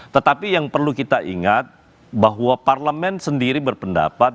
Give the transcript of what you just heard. tetapi yang perlu kita ingat bahwa parlemen sendiri berpendapat